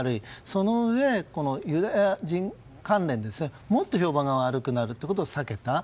そのうえ、ユダヤ人関連でもっと評判が悪くなることを避けた。